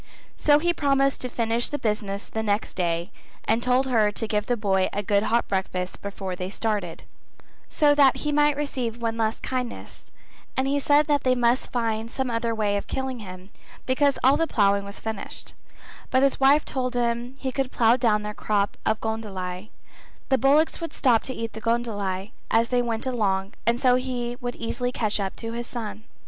So he promised to finish the business the next day and told her to give the boy a good hot breakfast before they started, so that he might receive one last kindness, and he said that they must find some other way of killing him because all the ploughing was finished; but his wife told him he could plough down their crop of goondli, the bullocks would stop to eat the goondli as they went along and so he would easily catch up his son.